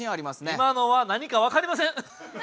今のは何かわかりません！